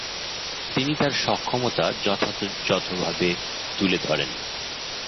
তিনি তার সক্ষমতা যথাযথভাবে তুলে ধরেন।